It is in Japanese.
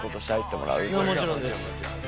もちろんです。